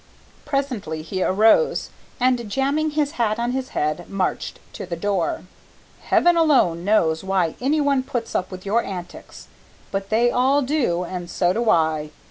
Presently he arose, and jamming his hat on his head, marched to the door. "Heaven alone knows why any one puts up with your antics, but they all do and so do I.